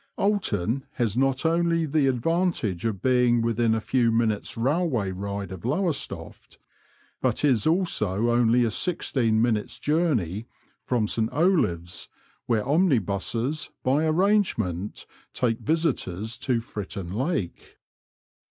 Oulton has not only the advantage of being within a few minutes' railway ride of Lowestoft, but is also only a sixteen minutes' journey from St Olaves, where omnibuses, by arrangement, take visitors to Fritton Lake.